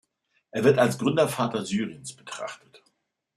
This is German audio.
Er wird als Gründervater Syriens betrachtet.